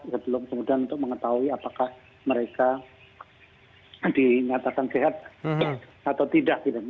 kemudian untuk mengetahui apakah mereka diingatkan sehat atau tidak